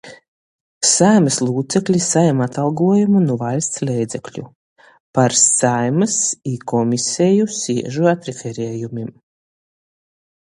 Saeimys lūcekli sajam atolguojumu nu vaļsts leidzekļu. Par Saeimys i komiseju siežu atreferiejumim,